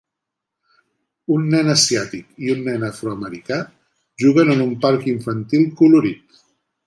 Un nen asiàtic i un nen afroamericà juguen en un parc infantil colorit.